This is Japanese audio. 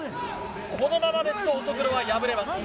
このままですと乙黒は敗れます。